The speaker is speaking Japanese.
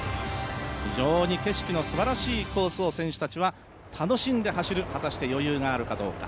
非常に景色のすばらしいコースを選手たちは楽しんで走る果たして余裕があるかどうか。